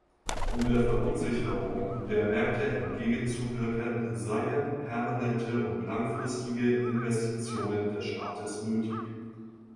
Um der Verunsicherung der Märkte entgegenzuwirken, seien permanente und langfristige Investitionen des Staates nötig.